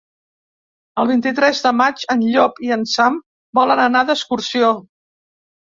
El vint-i-tres de maig en Llop i en Sam volen anar d'excursió.